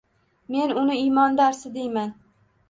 Men uni iymon darsi deyman.